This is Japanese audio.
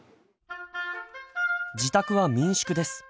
自宅は民宿です。